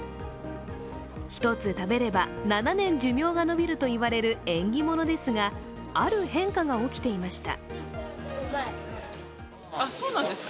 １つ食べれば、７年寿命が延びると言われる縁起物ですがある変化が起きていました。